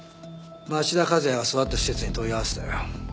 町田和也が育った施設に問い合わせたよ。